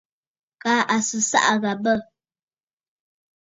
Kaa à sɨ ɨsaʼà gha bə̂.